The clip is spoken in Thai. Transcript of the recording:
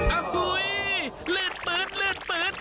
อ้าหูยเลือดปืน